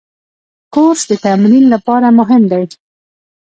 کورس د تمرین لپاره مهم دی.